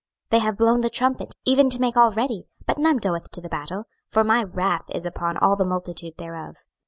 26:007:014 They have blown the trumpet, even to make all ready; but none goeth to the battle: for my wrath is upon all the multitude thereof.